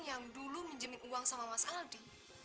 yang dulu minjemin uang sama mas aldi